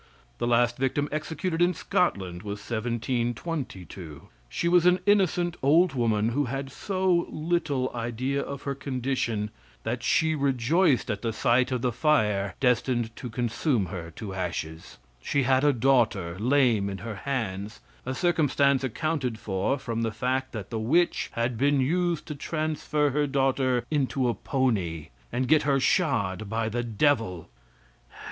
The last victim executed in Scotland was 1722. She was an innocent old woman who had so little idea of her condition, that she rejoiced at the sight of the fire destined to consume her to ashes. She had a daughter, lame in her hands, a circumstance accounted for from the fact that the witch had been used to transfer her daughter into a pony and get her shod by the devil!